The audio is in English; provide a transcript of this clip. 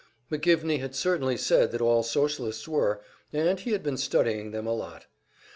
McGivney had certainly said that all Socialists were, and he had been studying them a lot.